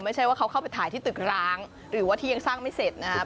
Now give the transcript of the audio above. ไม่ใช่ว่าเขาเข้าไปถ่ายที่ตึกร้างหรือว่าที่ยังสร้างไม่เสร็จนะครับ